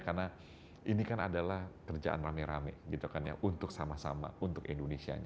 karena ini kan adalah kerjaan rame rame gitu kan ya untuk sama sama untuk indonesia